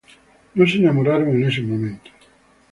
No se enamoraron en ese momento.